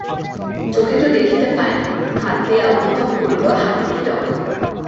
চোখে তো দেখিতে পায় না, হাত দিয়া অনুভব করিল হাতী কি রকম।